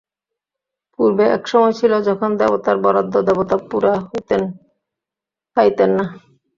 পূর্বে এক সময় ছিল যখন দেবতার বরাদ্দ দেবতা পুরা পাইতেন না।